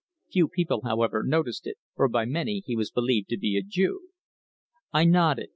Few people, however, noticed it, for by many he was believed to be a Jew. I nodded.